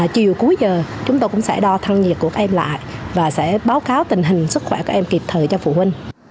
chiều cuối giờ chúng tôi cũng sẽ đo thân nhiệt của các em lại và sẽ báo cáo tình hình sức khỏe các em kịp thời cho phụ huynh